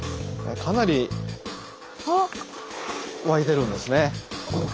かなり湧いてるんですね。